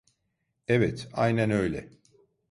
Evet, aynen öyle.